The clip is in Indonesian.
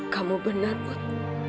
kamu benar put